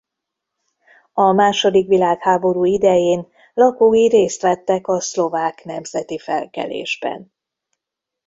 A második világháború idején lakói részt vettek a szlovák nemzeti felkelésben.